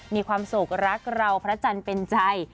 มีความสุขรักเราพระจันทร์เป็นใจ